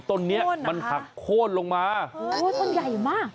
ต้นนี้มันหักโค้นลงมาโอ้ยต้นใหญ่มาก